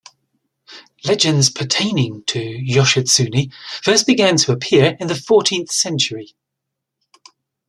Legends pertaining to Yoshitsune first began to appear in the fourteenth century.